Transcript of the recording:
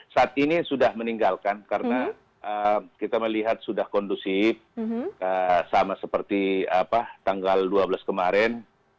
saat ini sudah meninggalkan karena kita melihat sudah kondusif sama seperti tanggal dua belas kemarin